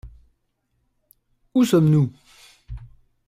Où sommes-nous ?